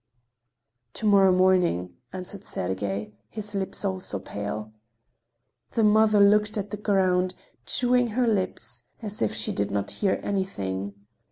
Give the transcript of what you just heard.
"To morrow morning," answered Sergey, his lips also pale. The mother looked at the ground, chewing her lips, as if she did not hear anything.